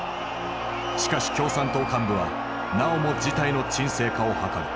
しかし共産党幹部はなおも事態の沈静化を図る。